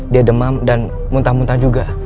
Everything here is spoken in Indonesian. dia demam dan muntah muntah juga